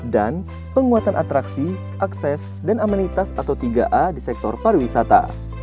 dan penguatan atraksi akses dan amanitas atau tiga a di sektor pariwisata